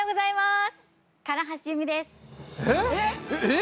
えっ？